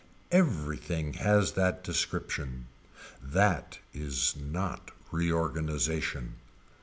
Everything has that description. That is not reorganization.